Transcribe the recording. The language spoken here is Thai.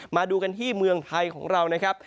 มาดูกันที่เมืองไทยของเรานะครับ